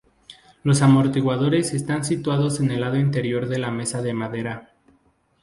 Los amortiguadores están situados en el lado interior de la mesa de madera.